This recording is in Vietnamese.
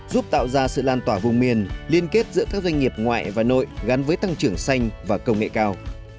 giúp tạo ra sự lan tỏa vùng miền liên kết giữa các doanh nghiệp ngoại và nội gắn với tăng trưởng xanh và công nghệ cao